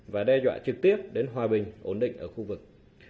và đe dọa trực tiếp đến hòa bình ổn định ở khu vực